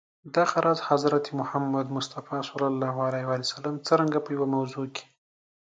دغه راز، حضرت محمد ص څرنګه په یوه موضوع کي.